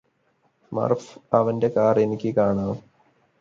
മര്ഫ് അവന്റെ കാര് എനിക്ക് കാണാം